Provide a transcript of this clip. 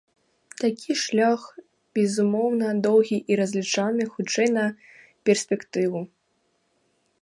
Такі шлях, безумоўна, доўгі, і разлічаны, хутчэй, на перспектыву.